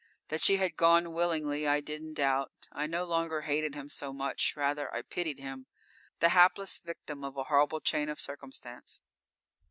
That she had gone willingly I didn't doubt. I no longer hated him so much; rather I pitied him, the hapless victim of a horrible chain of circumstance.